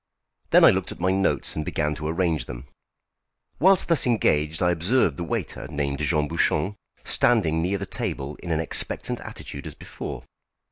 Then I looked at my notes, and began to arrange them. Whilst thus engaged I observed the waiter, named Jean Bouchon, standing near the table in an expectant attitude as before.